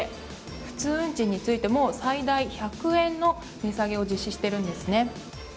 普通運賃についても最大１００円値下げを実施しているんですね。